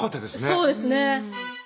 そうですね